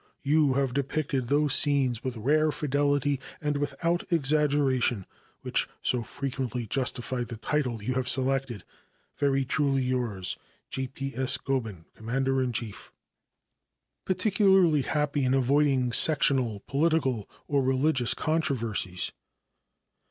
You have depicted those scenes with rare fidelity and without exaggeration, which so frequently justified the title you have selected. Very truly yours, J. P. S. Gobin, Commander in Chief. Particularly Happy in Avoiding Sectional, Political or Religious Controversies.